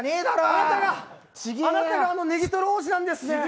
あなたが、あなたが、あのネギトロ王子なんですね。